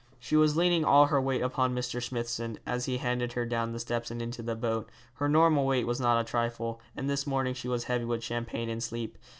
She was leaning all her weight upon Mr. Smithson, as he handed her down the steps and into the boat. Her normal weight was not a trifle, and this morning she was heavy with champagne and sleep.